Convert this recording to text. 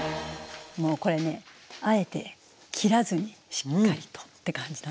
もうこれねあえて切らずにしっかりとって感じなんです。